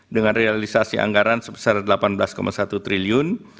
dengan realisasi anggaran sebesar delapan belas satu triliun